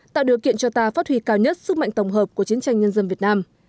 tạo điều kiện cho ta phát huy cao nhất sức mạnh tổng hợp của chiến tranh nhân dân việt nam